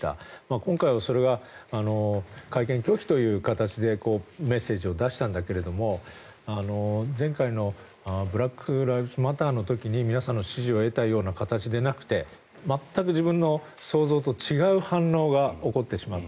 今回はそれが会見拒否という形でメッセージを出したんだけども前回のブラック・ライブズ・マターの時に皆さんの支持を得たような形でなくて全く自分の想像と違う反応が起こってしまった。